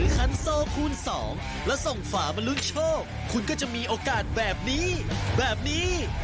คุณก็จะมีโอกาสแบบนี้แบบนี้